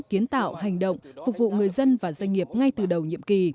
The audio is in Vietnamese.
kiến tạo hành động phục vụ người dân và doanh nghiệp ngay từ đầu nhiệm kỳ